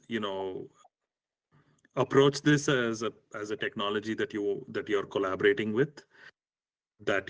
menghadapinya sebagai teknologi yang anda kolaborasi dengan